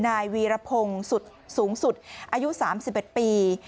นายวีรพงศ์สุดสูงสุดอายุ๓๑ปี